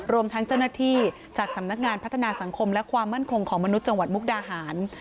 รวมทั้งเจ้าหน้าที่จากสำนักงานพัฒนาสังคมและความมั่นคงของมนุษย์จังหวัดมุกดาหาร